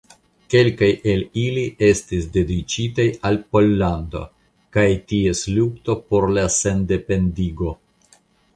Kelkaj el ili estis dediĉitaj al Pollando kaj ties lukto por la sendependigo.